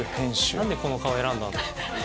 何でこの顔選んだんだろう？